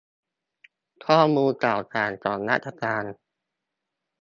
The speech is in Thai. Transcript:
ข้อมูลข่าวสารของราชการ